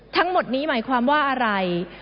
ทั้งหมดนี้หมายความว่าอะไร